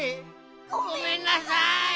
ごめんなさい！